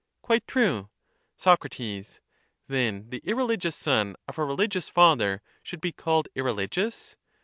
Quite true. Soc. Then the irrehgious son of a religious father should be called irreligious?